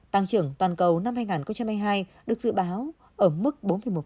tăng trưởng toàn cầu năm hai nghìn hai mươi hai được dự báo ở mức bốn một